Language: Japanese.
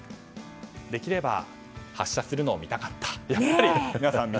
できれば発車するのを見たかった。